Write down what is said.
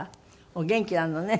お元気なのね。